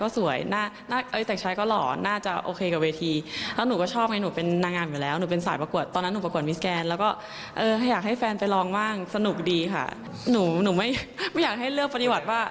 อ๋อเสร็จใหม่เสร็จคะแนนใหม่